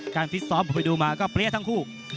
ฟิตซ้อมไปดูมาก็เปรี้ยทั้งคู่